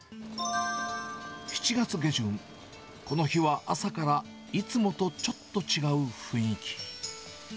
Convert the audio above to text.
７月下旬、この日は朝からいつもとちょっと違う雰囲気。